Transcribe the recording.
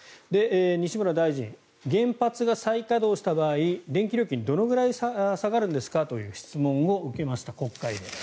西村大臣、原発が再稼働した場合電気料金どのくらい下がるんですかという質問を受けました国会で。